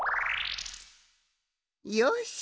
よし！